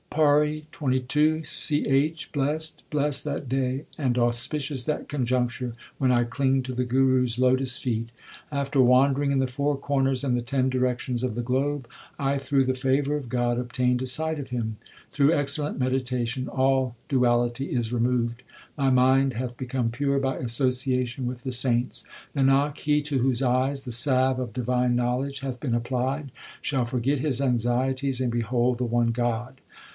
PAURI XXII C H. Blest, blest that day and auspicious that conjuncture When I cling to the Guru s lotus feet. 1 Also translated thou shall be saved. N 2 i8o THE SIKH RELIGION After wandering in the four corners and the ten directions of the globe, I through the favour of God obtained a sight of him. Through excellent meditation all duality is removed ; My mind hath become pure by association with the saints. Nanak, he to whose eyes the salve of divine knowledge hath been applied, Shall forget his anxieties and behold the one God.